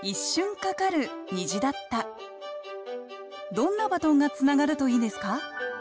どんなバトンがつながるといいですか？